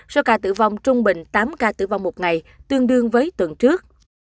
số ca tử vong trung bình tám ca tử vong một ngày tương đương với tuần trước